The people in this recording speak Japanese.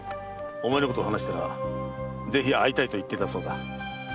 お前のことを話したらぜひ会いたいと言っていたそうだ。